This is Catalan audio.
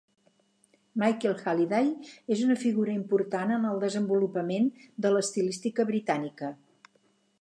Michael Halliday és una figura important en el desenvolupament de l'estilística britànica.